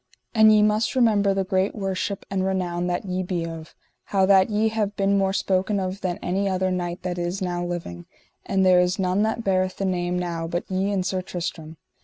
And ye must remember the great worship and renown that ye be of, how that ye have been more spoken of than any other knight that is now living; for there is none that beareth the name now but ye and Sir Tristram.